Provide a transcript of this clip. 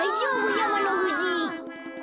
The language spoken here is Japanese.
やまのふじ。